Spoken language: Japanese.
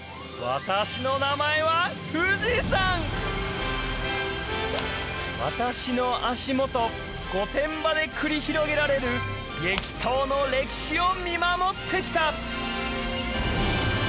私の名前は富士山私の足元御殿場で繰り広げられる激闘の歴史を見守ってきた